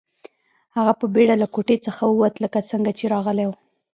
هغه په بیړه له کوټې څخه ووت لکه څنګه چې راغلی و